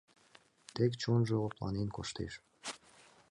Тек чонжо лыпланен коштеш...